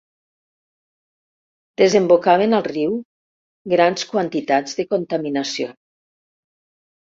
Desembocaven al riu grans quantitats de contaminació.